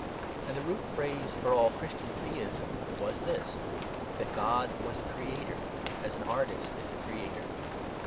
And the root phrase for all Christian theism was this, that God was a creator, as an artist is a creator.